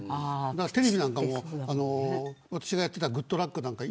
テレビなんかも私がやっていたグッとラック！